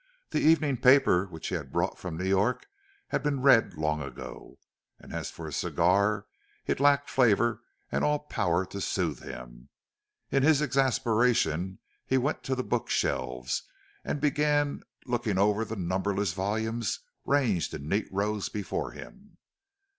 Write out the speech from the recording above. The evening paper which he had brought from New York had been read long ago, and as for his cigar, it lacked flavor and all power to soothe him. In his exasperation he went to the book shelves, and began looking over the numberless volumes ranged in neat rows before him.